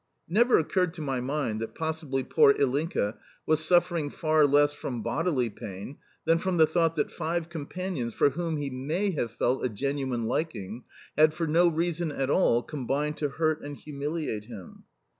It never occurred to my mind that possibly poor Ilinka was suffering far less from bodily pain than from the thought that five companions for whom he may have felt a genuine liking had, for no reason at all, combined to hurt and humiliate him.